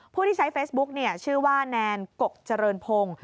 ผู้ที่ใช้เฟซบุ๊กชื่อว่าแนนกกเจริญพงศ์